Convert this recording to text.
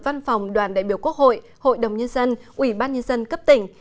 văn phòng đoàn đại biểu quốc hội hội đồng nhân dân ủy ban nhân dân cấp tỉnh